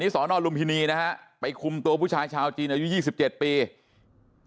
สอนอลุมพินีนะฮะไปคุมตัวผู้ชายชาวจีนอายุ๒๗ปี